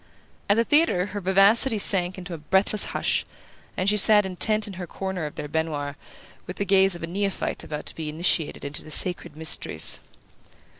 At the theatre her vivacity sank into a breathless hush, and she sat intent in her corner of their baignoire, with the gaze of a neophyte about to be initiated into the sacred mysteries.